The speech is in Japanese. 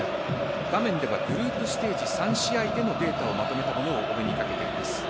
画面ではグループステージ３試合でのデータをまとめたものをお目にかけています。